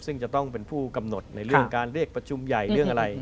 ซึ่งจะต้องเป็นผู้กำหนดในเรื่องการเรียกประชุมใหญ่เรื่องอะไร